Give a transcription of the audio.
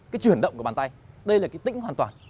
cái chuyển động của bàn tay đây là cái tĩnh hoàn toàn